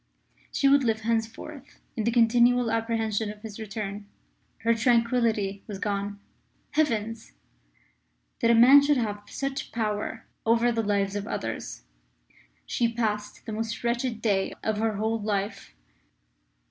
She would live henceforth in continual apprehension of his return. Her tranquillity was gone. Heavens! That a man should have such power over the lives of others! She passed the most wretched day of her whole life.